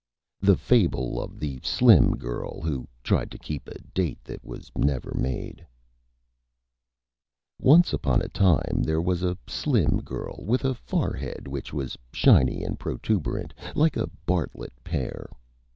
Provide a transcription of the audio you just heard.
_ THE FABLE OF THE SLIM GIRL WHO TRIED TO KEEP A DATE THAT WAS NEVER MADE Once upon a Time there was a slim Girl with a Forehead which was Shiny and Protuberant, like a Bartlett Pear.